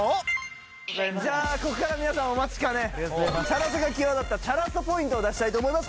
じゃあここから皆さんお待ちかねチャラさが際立ったチャラッソポイントを出したいと思います。